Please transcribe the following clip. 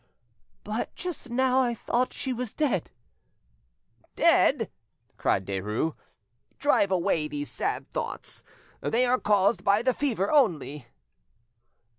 "But just now I thought she was dead." "Dead!" cried Derues. "Drive away these sad thoughts. They are caused by the fever only."